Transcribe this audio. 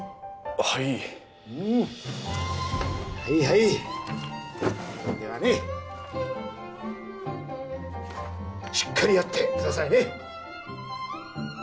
はいうんはいはいではねしっかりやってくださいね